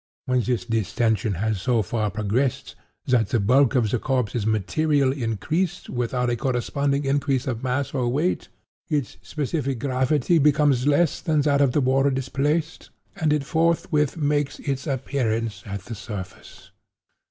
When this distension has so far progressed that the bulk of the corpse is materially increased without a corresponding increase of mass or weight, its specific gravity becomes less than that of the water displaced, and it forthwith makes its appearance at the surface.